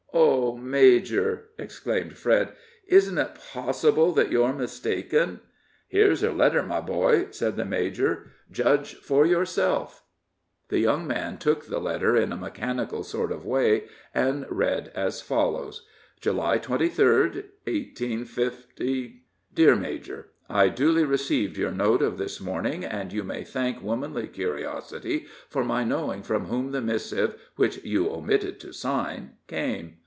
"Oh, major," exclaimed Fred, "isn't it possible that you're mistaken?" "Here's her letter, my boy," said the major; "judge for yourself." The young man took the letter in a mechanical sort of way, and read as follows: "July 23d, 185 . "DEAR MAJOR I duly received your note of this morning, and you may thank womanly curiosity for my knowing from whom the missive (which you omitted to sign) came.